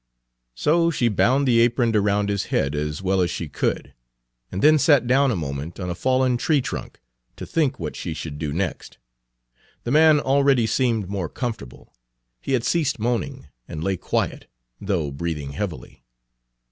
So she bound the apron around his head as well as she could, and then sat down a moment on a fallen tree trunk, to think what she should do next. The man already seemed more comfortable; he had ceased moaning, and lay quiet, though breathing heavily.